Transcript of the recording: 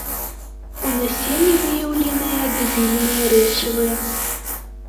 У насенні выяўленыя дубільныя рэчывы.